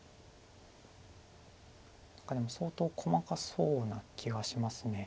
何かでも相当細かそうな気がします。